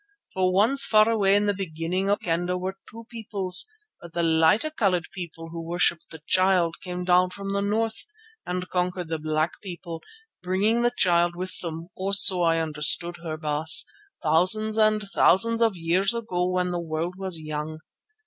For once far away in the beginning the Kendah were two peoples, but the lighter coloured people who worshipped the Child came down from the north and conquered the black people, bringing the Child with them, or so I understood her, Baas, thousands and thousands of years ago when the world was young.